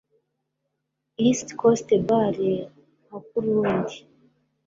EAST COAST BAR nkakurundi